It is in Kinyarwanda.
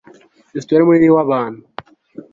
dufite umubare munini wabantu